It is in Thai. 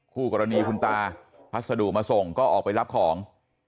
คู่กรณีคุณตาพัสดุมาส่งก็ออกไปรับของ